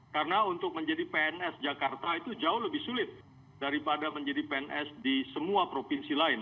karena untuk menjadi pns jakarta itu jauh lebih sulit daripada menjadi pns di semua provinsi lain